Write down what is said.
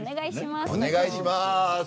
お願いします。